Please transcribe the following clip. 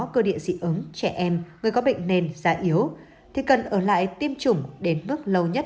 cơ địa dị ứng trẻ em người có bệnh nền già yếu thì cần ở lại tiêm chủng đến bước lâu nhất